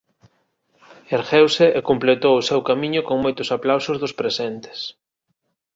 Ergueuse e completou o seu camiño con moitos aplausos dos presentes.